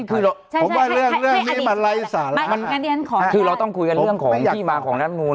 คือเราต้องคุยกันเรื่องของที่มาของนักมนุน